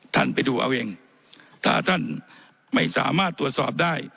ท่านไปดูเอาเองถ้าท่านไม่สามารถตรวจสอบได้